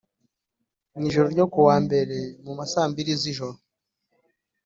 Mu ijoro ryo kuwa Mbere mu ma saa mbili z’ijoro